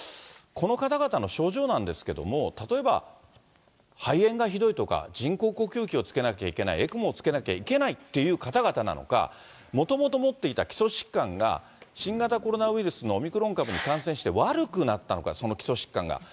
この方々の症状なんですけれども、例えば肺炎がひどいとか、人工呼吸器をつけなきゃいけない、ＥＣＭＯをつけなきゃいけないという方々なのか、もともと持っていた基礎疾患が新型コロナウイルスのオミクロン株に感染して悪くなったのか、その基礎疾患が。